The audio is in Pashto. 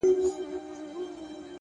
خپل ژوند د مانا او خدمت لور ته بوځئ.!